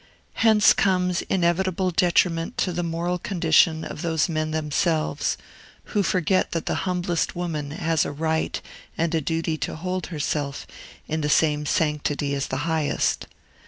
Hence cones inevitable detriment to the moral condition of those men themselves, who forget that the humblest woman has a right and a duty to hold herself in the same sanctity as the highest.